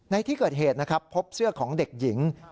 ในที่เกิดเหตุนะครับพบเสื้อของเด็กหญิง